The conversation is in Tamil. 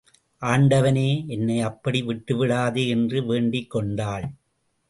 ஆண்டவனே, என்னை அப்படி விட்டுவிடாதே என்று வேண்டிக் கொண்டாள்.